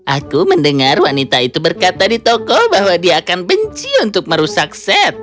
aku mendengar wanita itu berkata di toko bahwa dia akan benci untuk merusak set